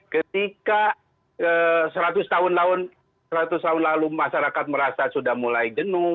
ketika seratus tahun lalu masyarakat merasa sudah mulai jenuh